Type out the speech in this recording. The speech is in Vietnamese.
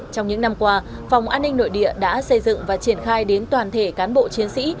trong những năm qua phòng an ninh nội địa đã xây dựng và triển khai đến toàn thể cán bộ chiến sĩ